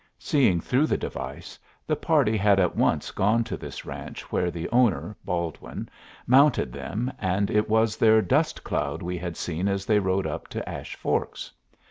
Seeing through the device, the party had at once gone to this ranch, where the owner, Baldwin, mounted them, and it was their dust cloud we had seen as they rode up to Ash Forks.